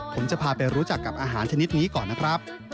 ผมจะพาไปรู้จักกับอาหารชนิดนี้ก่อนนะครับ